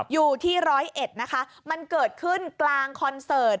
อยู่ที่ร้อยเอ็ดนะคะมันเกิดขึ้นกลางคอนเสิร์ต